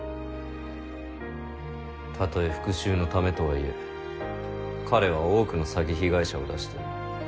たとえ復讐のためとはいえ彼は多くの詐欺被害者を出している。